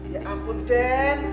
ya ampun den